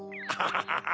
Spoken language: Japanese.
ハハハ。